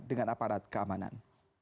dengan aparat keamanan